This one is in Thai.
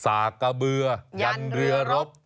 สากะเบื่อยันเรือรบ